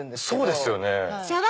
そうですよね。